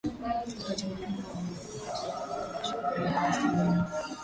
Wakati mwingine walielezea kazi yao kama shughuli ya mawasiliano